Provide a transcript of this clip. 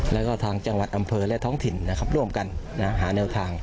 แล้วก็ทางจังหวัดอำเภอและท้องถิ่นนะครับร่วมกันหาแนวทาง